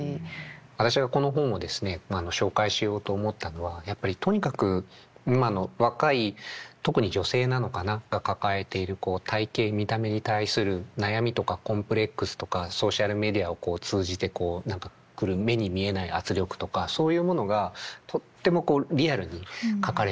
私がこの本をですね紹介しようと思ったのはやっぱりとにかく今の若い特に女性なのかなが抱えている体形見た目に対する悩みとかコンプレックスとかソーシャルメディアを通じて来る目に見えない圧力とかそういうものがとってもこうリアルに書かれている。